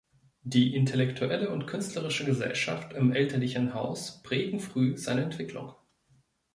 Die intellektuelle und künstlerische Gesellschaft im elterlichen Haus prägen früh seine Entwicklung.